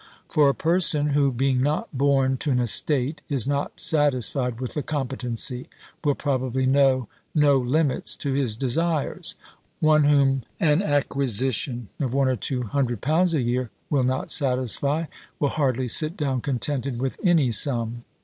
For a person who, being not born to an estate, is not satisfied with a competency, will probably know no limits to his desires. One whom an acquisition of one or two hundred pounds a year will not satisfy, will hardly sit down contented with any sum.